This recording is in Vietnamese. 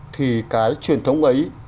thì cái truyền thống ấy